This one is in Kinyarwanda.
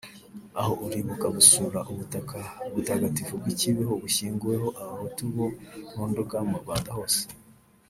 Aho uribuka gusura ubutaka butagatifu bw’i Kibeho bushyinguweho abahutu bo mu Nduga n’u Rwanda rwose